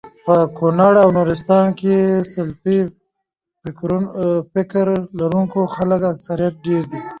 په کونړ او نورستان کي د سلفي فکر لرونکو خلکو اکثريت دی